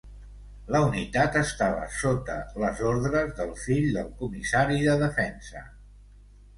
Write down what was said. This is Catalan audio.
La unitat estava sota les ordres del fill del comissari de defensa.